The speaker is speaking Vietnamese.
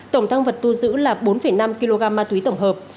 tổng tăng vật thu giữ là bốn năm kg ma túy tổng hợp